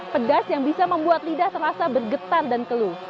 pedas yang bisa membuat lidah terasa bergetar dan keluh